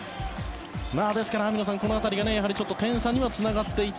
ですから網野さん、この辺が点差にはつながっていった。